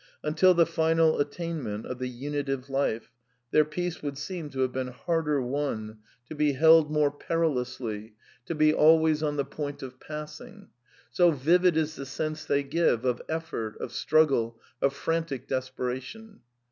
Until the final attainment of the Unitive Life, their peace would seem to have been harder won, to be held ^ THE NEW MYSTICISM 277 mor^ perilously, to be always on the point of passing; so vivid is the sense they give of effort, of struggle, of frantic ^V^ltesperation.